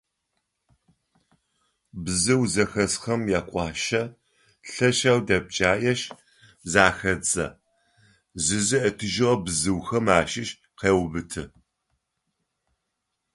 Бзыу зэхэсхэм якӏуашъэ, лъэшэу дэпкӏаешъ, захедзэ, зызыӏэтыжьыгъэ бзыухэм ащыщ къеубыты.